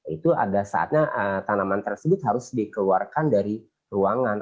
itu ada saatnya tanaman tersebut harus dikeluarkan dari ruangan